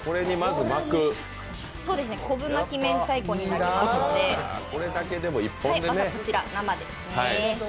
昆布巻き明太子になりますのでまずはこちら、生ですね。